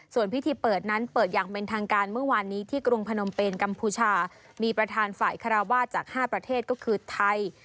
ส่วนพิธีเปิดนั้นเปิดอย่างเป็นทางการเมื่อวานนี้ที่กรุงพนมเป็นกัมพูชามีประธานฝ่ายคาราวาสจาก๕ประเทศก็คือไทย